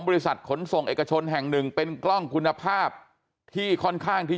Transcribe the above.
บริษัทขนส่งเอกชนแห่งหนึ่งเป็นกล้องคุณภาพที่ค่อนข้างที่